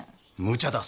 むちゃだ